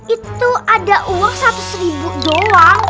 itu ada uang seratus ribu dolar